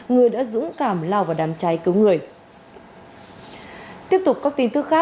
người đã dũng cảm lao vào đám cháy cứu người